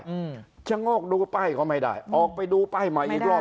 อืมชะโงกดูป้ายก็ไม่ได้ออกไปดูป้ายใหม่อีกรอบ